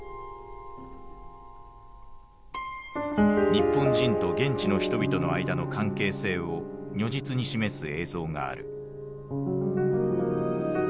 日本人と現地の人々の間の関係性を如実に示す映像がある。